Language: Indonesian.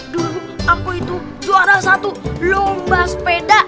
dulu aku itu juara satu lomba sepeda